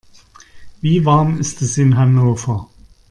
Wie warm ist es in Hannover?